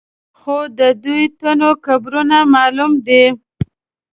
خو د دوو تنو قبرونه معلوم دي.